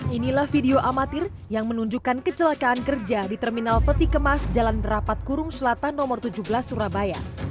inilah video amatir yang menunjukkan kecelakaan kerja di terminal peti kemas jalan berapat kurung selatan nomor tujuh belas surabaya